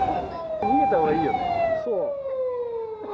逃げたほうがいいよね。